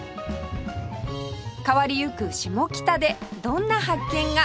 変わりゆく下北でどんな発見が？